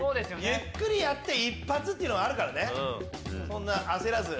ゆっくりやって一発っていうのがあるからそんな焦らず。